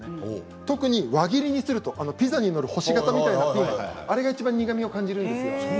特に輪切りにするとピザに載るような星形にするとあれがいちばん苦みを感じるんです。